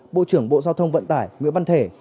bộ trưởng bộ giao thông vận tải nguyễn văn thể